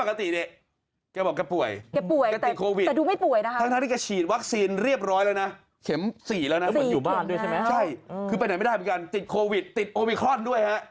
คือเป็นไหนไม่ได้เหมือนกันติดโควิดติดโอมิคอนด้วยครับ